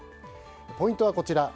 ポイントはこちら。